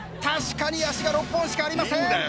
確かに足が６本しかありません！